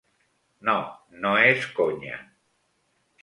No, no és conya.